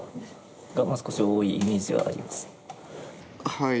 はい。